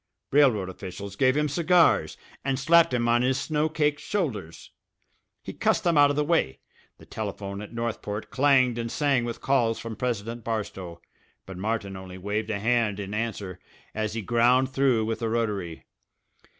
Railroad officials gave him cigars, and slapped him on his snow caked shoulders. He cussed them out of the way. The telephone at Northport clanged and sang with calls from President Barstow; but Martin only waved a hand in answer as he ground through with the rotary.